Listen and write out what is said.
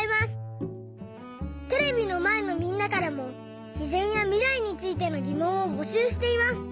テレビのまえのみんなからもしぜんやみらいについてのぎもんをぼしゅうしています。